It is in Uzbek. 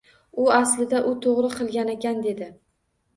U aslida u to‘g‘ri qilganakan dedi.